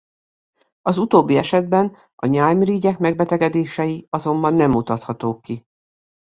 Az utóbbi esetben a nyálmirigyek megbetegedései azonban nem mutathatók ki.